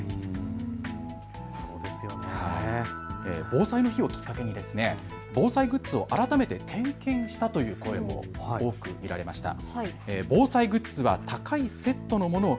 防災の日をきっかけに防災グッズを改めて点検したという声も見られました。